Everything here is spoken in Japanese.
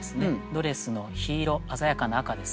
ドレスの緋色鮮やかな赤ですね